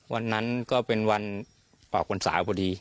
วันนั้นก็เป็นวันออกวันศาปฏิ